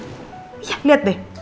iya liat deh